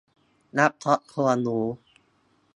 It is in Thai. นักช้อปควรรู้